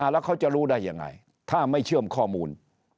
แล้วเขาจะรู้ได้ยังไงถ้าไม่เชื่อมข้อมูล